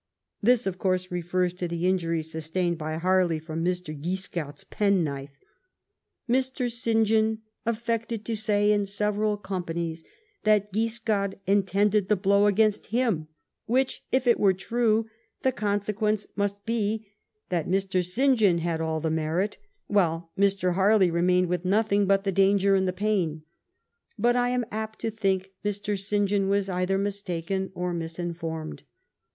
This, of course, refers to the in juries sustained by Harley from De Guiscard's pen knife. " Mr. St. John affected to say in several com panies, that Quiscard intended the blow against him; which, if it were true, the consequence must be, that Mr. St. John had all the merit, while Mr. Harley remained with nothing but the danger and the pain. But, I am apt to think, Mr. St. John was either mis taken, or misinformed.